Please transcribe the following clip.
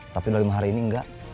tapi udah lima hari ini enggak